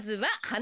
は